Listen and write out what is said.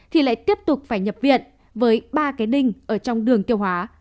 thì lại tiếp tục phải nhập viện với ba cái đinh ở trong đường tiêu hóa